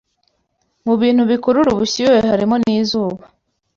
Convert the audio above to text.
Mu bintu bikurura ubushyuye harimo n’ izuba